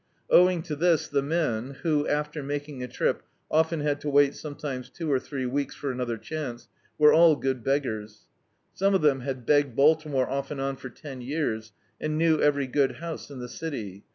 Owing to this the men, who, after making a trip often had to wait sometimes two or three weeks for another chance, were all good beggars. Some of them had begged Baltimore off and on for ten years, and knew every good house in the city.